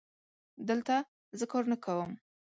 دلته زه کار نه کوم